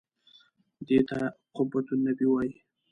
دې ته قبة النبي وایي.